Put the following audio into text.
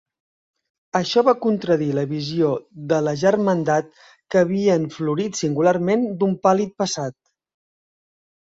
Això va contradir la visió de la Germandat que havien florit singularment d'un pàl·lid passat.